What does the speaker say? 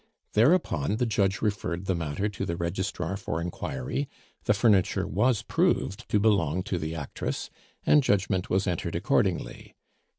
Thereupon the judge referred the matter to the registrar for inquiry, the furniture was proved to belong to the actress, and judgment was entered accordingly.